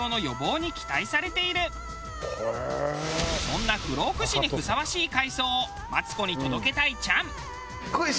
そんな不老不死にふさわしい海藻をマツコに届けたいチャン。